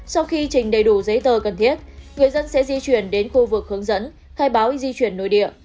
sau khi trình đầy đủ giấy tờ cần thiết người dân sẽ di chuyển đến khu vực hướng dẫn khai báo di chuyển nội địa